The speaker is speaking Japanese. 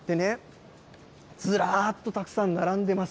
ずらっとたくさん並んでます。